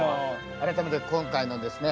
改めて今回のですね